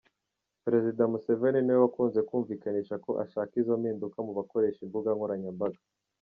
Perezida Museveni ni we wakunze kumvikanisha ko ashaka izo mpinduka mu bakoresha imbuga nkoranyambaga.